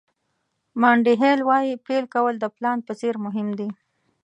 مانډي هیل وایي پیل کول د پلان په څېر مهم دي.